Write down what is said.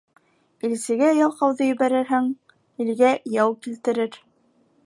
Илсегә ялҡауҙы ебәрһәң, илгә яу килтерер.